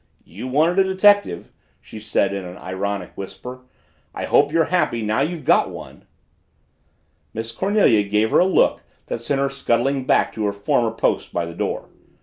"You wanted a detective!" she said in an ironic whisper. "I hope you're happy now you've got one!" Miss Cornelia gave her a look that sent her scuttling back to her former post by the door.